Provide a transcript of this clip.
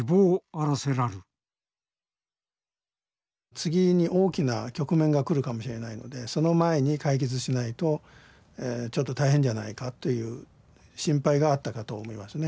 次に大きな局面が来るかもしれないのでその前に解決しないとちょっと大変じゃないかという心配があったかと思いますね。